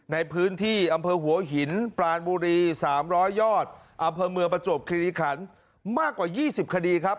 ในพื้นที่อำเภอหัวหินปรานบุรี๓๐๐ยอดอำเภอเมืองประจวบคิริขันมากกว่า๒๐คดีครับ